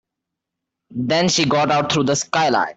Then she got out through the skylight.